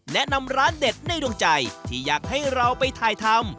แนะนำร้านเด็ดในดวงใจที่อยากให้เราไปถ่ายทำ